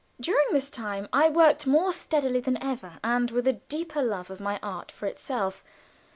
During this time I worked more steadily than ever, and with a deeper love of my art for itself.